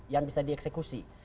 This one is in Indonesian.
yang bisa dieksekusi